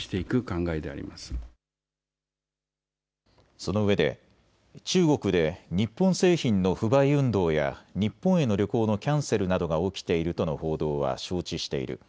そのうえで中国で日本製品の不買運動や日本への旅行のキャンセルなどが起きているとの報道は承知している。